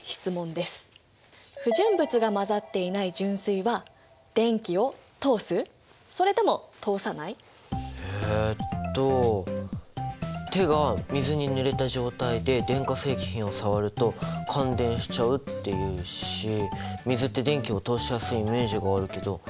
不純物が混ざっていないえっと手が水にぬれた状態で電化製品を触ると感電しちゃうっていうし水って電気を通しやすいイメージがあるけど。